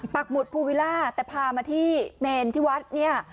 หมุดภูวิล่าแต่พามาที่เมนที่วัดเนี่ย